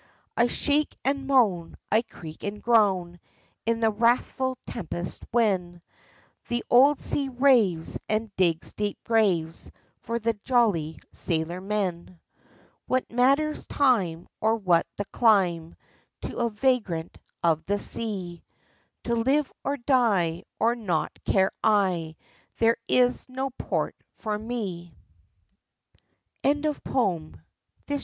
I shake and moan, I creak and groan, In the wrathful tempest when The old sea raves and digs deep graves For the jolly sailor men. THE DERELICT. 35 What matters time or what the clime To a vagrant of the sea ? To live or die, oh naught care I, There is no port for me 1 Copalis.